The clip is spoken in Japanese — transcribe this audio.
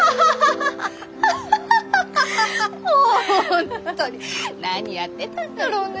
本当に何やってたんだろうね？